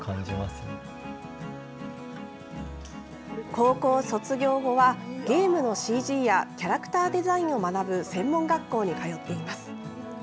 高校卒業後はゲームのＣＧやキャラクターデザインを学ぶ専門学校に通っています。